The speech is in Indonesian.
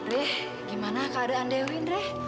reh gimana keadaan dewi reh